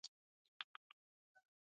پسه د افغانانو د معیشت سرچینه ده.